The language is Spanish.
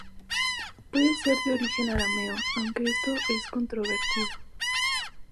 Puede ser de origen arameo, aunque esto es controvertido.